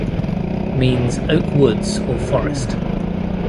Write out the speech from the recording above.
Means Oak woods or forest.